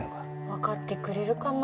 わかってくれるかな？